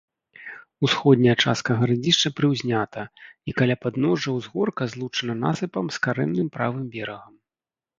Усходняя частка гарадзішча прыўзнята і каля падножжа ўзгорка злучана насыпам з карэнным правым берагам.